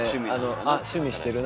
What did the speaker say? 「あ趣味してるな」